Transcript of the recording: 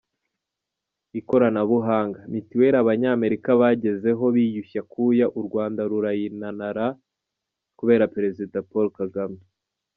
Ikoranabuhanga, Mituweli Abanyamerika bagezeho biyushye akuya u Rwanda rurayinanara kubera Perezida Paul Kagame.